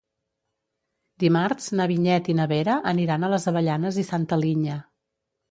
Dimarts na Vinyet i na Vera aniran a les Avellanes i Santa Linya.